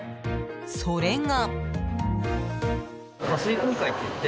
それが。